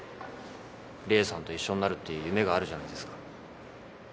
理恵さんと一緒になるっていう夢があるじゃないですか。